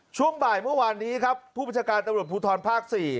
ช่วงบ่ายเมื่อวานนี้ครับผู้บัญชาการตำรวจภูทรภาค๔